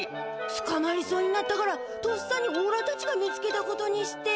つかまりそうになったからとっさにおらたちが見つけたことにして。